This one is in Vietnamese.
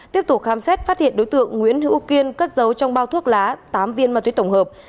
tiếp tục khám xét phát hiện đối tượng nguyễn hữu kiên cất giấu trong bao thuốc lá tám viên ma túy tổng hợp